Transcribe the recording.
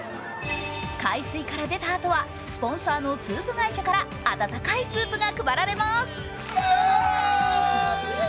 海水から出たあとはスポンサーのスープ会社から温かいスープが配られます。